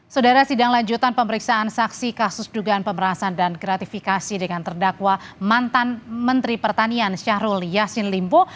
saudara sidang lanjutan pemeriksaan saksi kasus dugaan pemerasan dan gratifikasi dengan terdakwa mantan menteri pertanian syahrul yassin limpo